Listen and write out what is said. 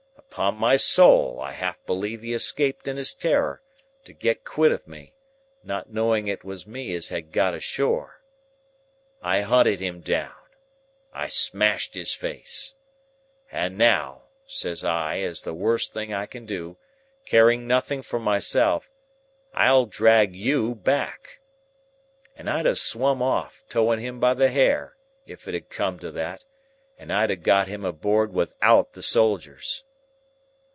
Upon my soul, I half believe he escaped in his terror, to get quit of me, not knowing it was me as had got ashore. I hunted him down. I smashed his face. 'And now,' says I 'as the worst thing I can do, caring nothing for myself, I'll drag you back.' And I'd have swum off, towing him by the hair, if it had come to that, and I'd a got him aboard without the soldiers.